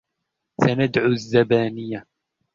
سندع الزبانية